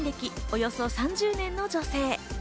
およそ３０年の女性。